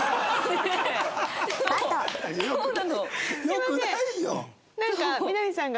良くないよ。